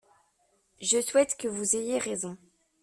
Je souhaite que vous ayez raison.